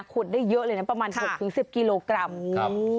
ได้เยอะเลยนะประมาณ๖๑๐กิโลกรัมครับ